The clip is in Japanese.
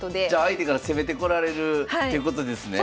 相手から攻めてこられるってことですね？